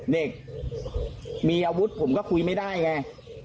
เด็กมีอาวุธผมก็คุยไม่ได้ไง